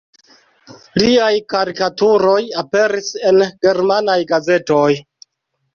Liaj karikaturoj aperis en germanaj gazetoj.